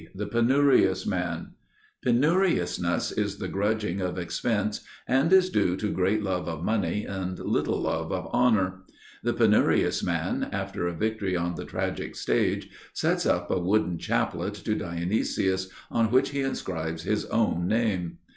XXIII The Penurious Man (Ἀνελευθερία) Penuriousness is the grudging of expense and is due to great love of money and little love of honor. The penurious man, after a victory on the tragic stage, sets up a wooden chaplet to Dionysus, on which he inscribes his own name.